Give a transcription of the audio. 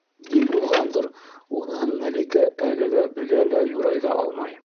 Ни булғандыр, уныһын Мәликә әле лә белә лә, юрай ҙа алмай...